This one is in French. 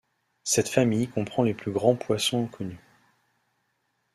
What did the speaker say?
Cette famille comprend les plus grands poissons connus.